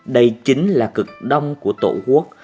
đây chính là cực đông của tổ quốc